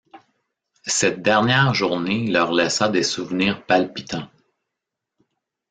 Cette dernière journée leur laissa des souvenirs palpitants.